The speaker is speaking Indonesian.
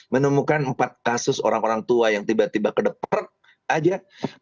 menemukan empat kasus orang orang tua yang tiba tiba ke depan aja